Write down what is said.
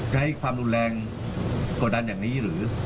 ใช้ความรุนแรงกดดันอย่างนี้หรือ